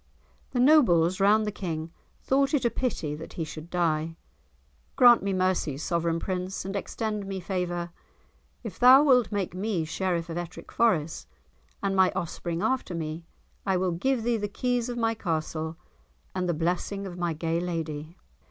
The nobles round the King thought it a pity that he should die. "Grant me mercy, sovereign prince, and extend me favour. If thou wilt make me Sheriff of Ettrick Forest, and my offspring after me, I will give thee the keys of my castle, and the blessing of my gay lady."